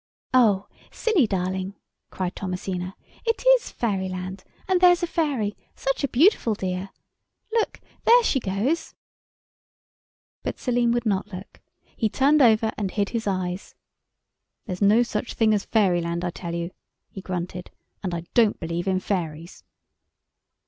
"Oh! Silly darling," cried Thomasina, "it is fairyland, and there's a fairy, such a beautiful dear. Look—there she goes." But Selim would not look—he turned over and hid his eyes. "There's no such thing as fairyland, I tell you," he grunted, "and I don't believe in fairies."